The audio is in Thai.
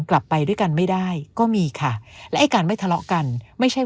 กลับไปด้วยกันไม่ได้ก็มีค่ะและไอ้การไม่ทะเลาะกันไม่ใช่